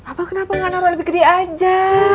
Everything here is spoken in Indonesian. eh abang kenapa nggak taruh lebih gede aja